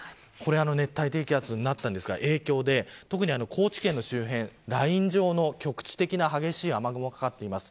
熱帯低気圧になったんですが影響で高知県の周辺ライン状の局地的な激しい雨雲がかかっています。